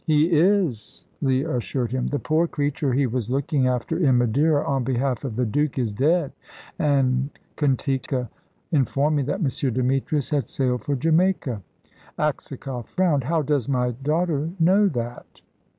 "He is," Leah assured him. "The poor creature he was looking after in Madeira, on behalf of the Duke, is dead, and Katinka informed me that M. Demetrius had sailed for Jamaica." Aksakoff frowned. "How does my daughter know that?"